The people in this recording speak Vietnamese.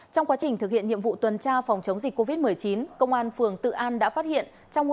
trong quá trình thực hiện nhiệm vụ tuần tra phòng chống dịch covid một mươi chín công an phường tự an đã phát hiện